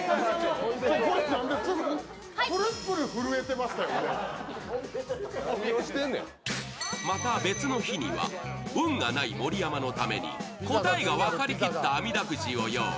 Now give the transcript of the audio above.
また、別の日には運がない盛山のために答えが分かりきったあみだくじを用意。